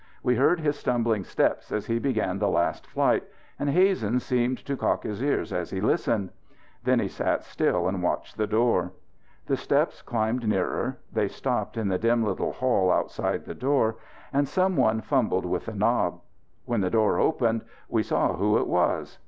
We heard his stumbling steps as he began the last flight and Hazen seemed to cock his ears as he listened. Then he sat still and watched the door. The steps climbed nearer; they stopped in the dim little hall outside the door and someone fumbled with the knob. When the door opened we saw who it was.